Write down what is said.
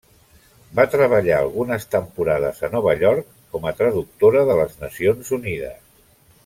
Va treballar algunes temporades a Nova York com a traductora de les Nacions Unides.